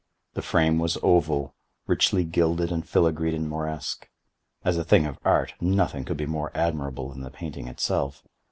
The frame was oval, richly gilded and filigreed in Moresque. As a thing of art nothing could be more admirable than the painting itself.